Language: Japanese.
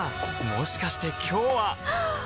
もしかして今日ははっ！